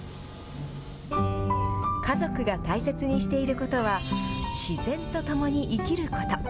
家族が大切にしていることは自然と共に生きること。